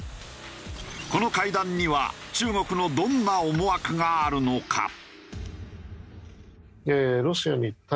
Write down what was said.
この会談には中国のどんな思惑があるのか？